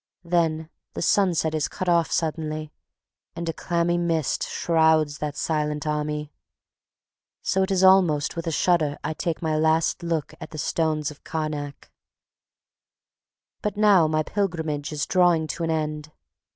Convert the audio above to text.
Then the sunset is cut off suddenly, and a clammy mist shrouds that silent army. So it is almost with a shudder I take my last look at the Stones of Carnac. But now my pilgrimage is drawing to an end.